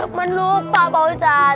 lukman lupa pak ustadz